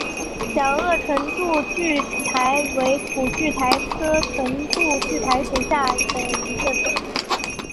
角萼唇柱苣苔为苦苣苔科唇柱苣苔属下的一个种。